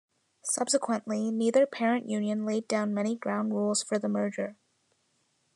Subsequently, neither parent union laid down many ground rules for the merger.